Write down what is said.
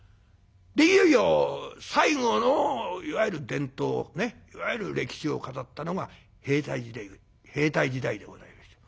いよいよ最後のいわゆる伝統いわゆる歴史を飾ったのが兵隊時代でございまして。